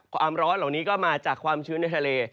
ความร้อนเหล่านี้ก็มาจากความชื้นในทะเล